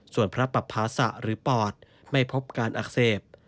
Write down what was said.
ส่วนพระปับภาษะหรือปอดไม่พบการอักเสบ